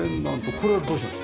これはどうしました？